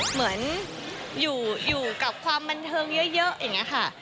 เหมือนอยู่กับความบันเทิงเยอะอย่างนี้ค่ะ